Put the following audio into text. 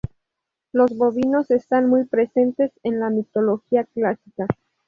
Los bovinos están muy presentes en la mitología clásica.